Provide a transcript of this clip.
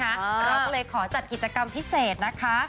เราก็เลยขอจัดกิจกรรมพิเศษนะคะ